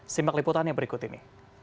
simak liputan yang berikut ini